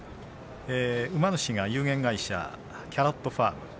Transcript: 馬主が有限会社キャロットファーム。